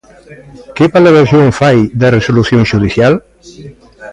Que valoración fai da resolución xudicial?